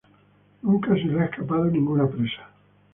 Nunca se le ha escapado ninguna presa.